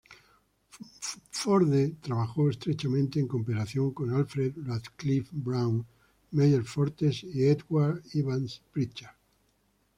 Forde trabajó estrechamente en cooperación con Alfred Radcliffe-Brown, Meyer Fortes y Edward Evans Pritchard.